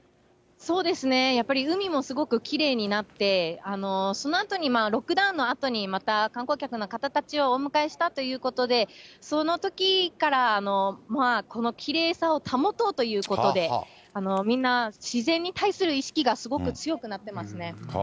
そうですね、やっぱり海もすごくきれいになって、そのあとに、ロックダウンのあとに、また観光客の方たちをお迎えしたということで、そのときから、このきれいさを保とうということで、みんな自然に対する意識がすごく強くなってますね。